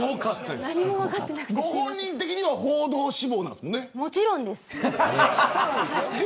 ご本人的には報道志望なんですよね。